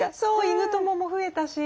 犬友も増えたし。